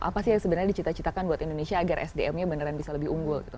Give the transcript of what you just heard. apa sih yang sebenarnya dicita citakan buat indonesia agar sdm nya beneran bisa lebih unggul gitu